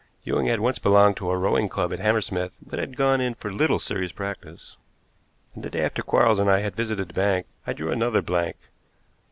Ewing had once belonged to a rowing club at Hammersmith, but had gone in for little serious practice. And the day after Quarles and I had visited the bank I drew another blank.